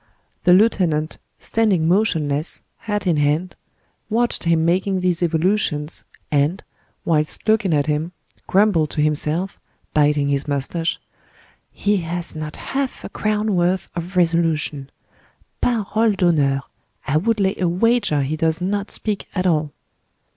The lieutenant, standing motionless, hat in hand, watched him making these evolutions, and, whilst looking at him, grumbled to himself, biting his mustache: "He has not half a crown worth of resolution! Parole d'honneur! I would lay a wager he does not speak at all!"